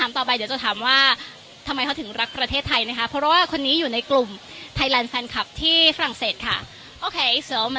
ต่อไปเดี๋ยวจะถามว่าทำไมเขาถึงรักประเทศไทยนะคะเพราะว่าคนนี้อยู่ในกลุ่มไทยแลนด์แฟนคลับที่ฝรั่งเศสค่ะ